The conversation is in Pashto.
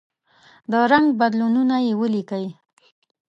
د رنګ بدلونونه یې ولیکئ.